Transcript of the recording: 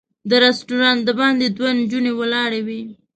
د رسټورانټ د باندې دوه نجونې ولاړې وې.